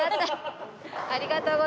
ありがとうございます。